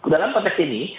dalam konteks ini